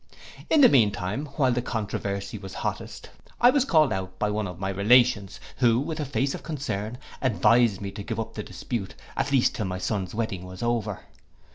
In the mean time, while the controversy was hottest, I was called out by one of my relations, who, with a face of concern, advised me to give up the dispute, at least till my son's wedding was over.